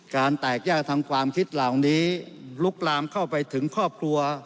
แตกแยกทางความคิดเหล่านี้ลุกลามเข้าไปถึงครอบครัว